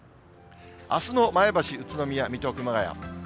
あすの前橋、宇都宮、水戸、熊谷。